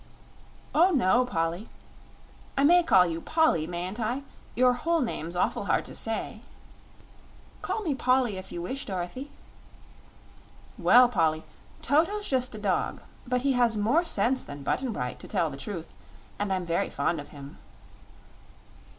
"Oh no, Polly I may call you Polly, mayn't I? Your whole name's awful hard to say." "Call me Polly if you wish, Dorothy." "Well, Polly, Toto's just a dog; but he has more sense than Button Bright, to tell the truth; and I'm very fond of him."